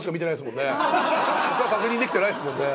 他確認できてないですもんね。